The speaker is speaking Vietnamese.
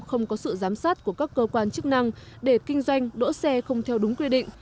không có sự giám sát của các cơ quan chức năng để kinh doanh đỗ xe không theo đúng quy định